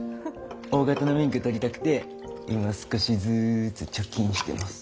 大型の免許取りたくて今少しずつ貯金してます。